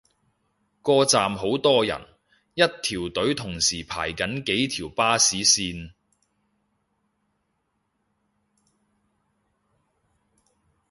個站好多人，一條隊同時排緊幾條巴士線